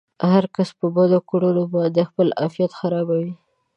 هر کس په بدو کړنو باندې خپل عاقبت خرابوي.